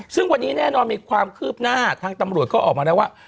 ซึ่งวันนี้แน่นอนมีความคืบหน้าทางตำรวจก็ออกมาแล้วว่า